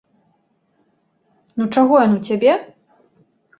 Ну, чаго ён у цябе?